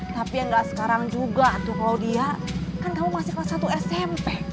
tapi yang gak sekarang juga tuh kalau dia kan kamu masih kelas satu smp